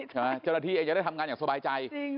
เจ้าหน้าที่เองจะได้ทำงานอย่างสบายใจ